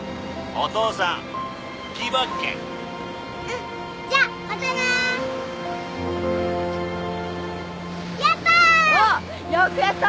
おおよくやった！